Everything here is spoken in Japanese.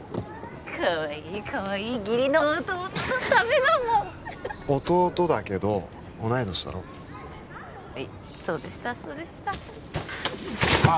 かわいいかわいい義理の弟のためだもん弟だけど同い年だろはいそうでしたそうでしたああ